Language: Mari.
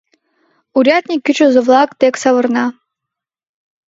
Урядник кӱчызӧ-влак дек савырна.